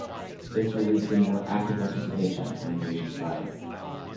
This will lead to a more active participation from the patient's side.